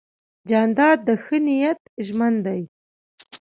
جانداد د ښه نیت ژمن دی.